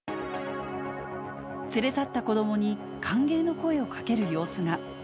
連れ去った子どもに歓迎の声をかける様子が。